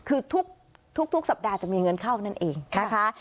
คือทุกสัปดาห์จะมีเงินเข้านั่นเองนะคะ